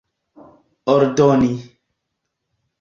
ordoni